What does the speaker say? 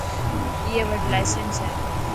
ائي وٽ لاسينس هي.